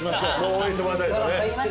応援してもらいたいですよね。